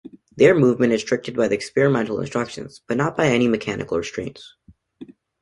Their movement is restricted by the experimental instructions, but not by any mechanical restraints.